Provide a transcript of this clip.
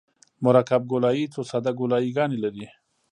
مرکب ګولایي څو ساده ګولایي ګانې لري